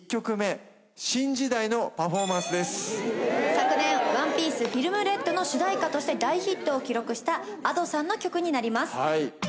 昨年『ＯＮＥＰＩＥＣＥＦＩＬＭＲＥＤ』の主題歌として大ヒットを記録したＡｄｏさんの曲になります。